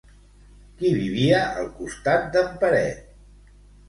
Qui vivia al costat d'en Peret?